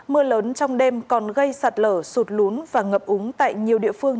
mưa lớn trong đêm còn gây sạt lở sụt lún và ngập úng tại nhiều địa phương